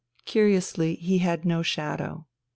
Curiously, he had no shadow.